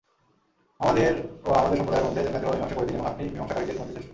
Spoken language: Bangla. আমাদের ও আমাদের সম্প্রদায়ের মধ্যে ন্যায্যভাবে মীমাংসা করে দিন এবং আপনিই মীমাংসাকারীদের মধ্যে শ্রেষ্ঠ।